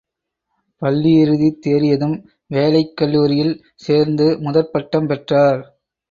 பள்ளியிறுதி தேறியதும் வேளைக் கல்லூரியில் சேர்ந்து முதற் பட்டம் பெற்றார்.